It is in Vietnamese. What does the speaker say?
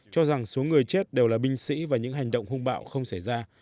cho rằng số người chết đều là binh sĩ và những hành động hung bạo không xảy ra